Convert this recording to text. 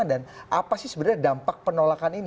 dan apa sih sebenarnya dampak penolakan ini